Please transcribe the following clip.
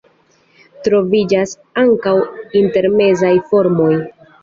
Troviĝas ankaŭ intermezaj formoj.